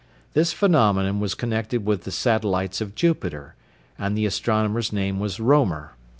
This phenomenon was connected with the satellites of Jupiter, and the astronomer's name was Roemer.